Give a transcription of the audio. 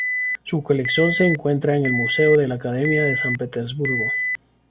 Su colección se encuentra en el Museo de la Academia de San Petersburgo.